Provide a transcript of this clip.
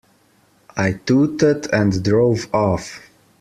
I tooted and drove off.